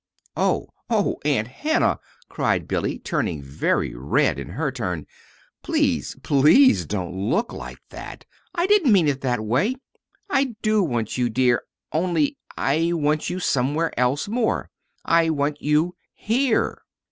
"Oh! O h h, Aunt Hannah," cried Billy, turning very red in her turn. "Please, please don't look like that. I didn't mean it that way. I do want you, dear, only I want you somewhere else more. I want you here."